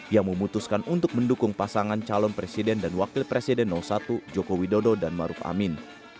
yang memutuskan untuk mendukung pasangan calon presiden dan wakil presiden satu joko widodo dan maruf amin